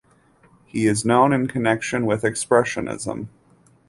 He is known in connection with expressionism.